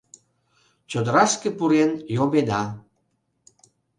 Чодырашке пурен йомеда